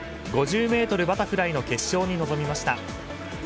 ５０ｍバタフライの決勝に臨みました。